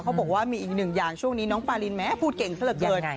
เขาบอกว่ามีอีกหนึ่งอย่างช่วงนี้น้องปารินแม้พูดเก่งซะเหลือเกิน